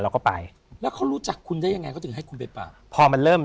เราก็ไปแล้วเขารู้จักคุณได้ยังไงเขาถึงให้คุณไปป่าพอมันเริ่ม